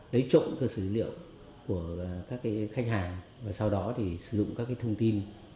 lấy trộn cơ sở dữ liệu của các khách hàng và sau đó sử dụng các thông tin